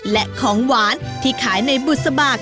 และของหวานที่ขายในบุษบาก